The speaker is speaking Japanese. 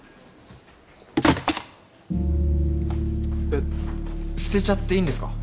えっ捨てちゃっていいんですか？